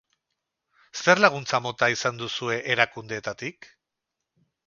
Zer laguntza mota izan duzue erakundeetatik?